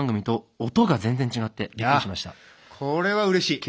これはうれしい。